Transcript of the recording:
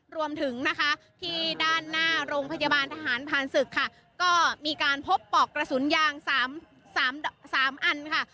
รวมถึงนะคะที่ด้านหน้าโรงพยาบาลทหารผ่านศึกค่ะก็มีการพบปอกกระสุนยาง๓อันค่ะ